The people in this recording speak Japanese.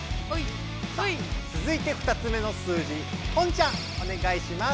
つづいて２つ目の数字ポンちゃんおねがいします。